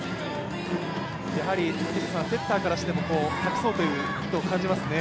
セッターからしても託そうという意図を感じますね。